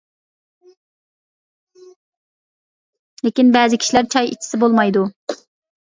لېكىن بەزى كىشىلەر چاي ئىچسە بولمايدۇ.